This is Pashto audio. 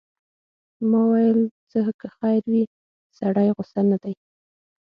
ما ویل ځه که خیر وي، سړی غوسه نه دی.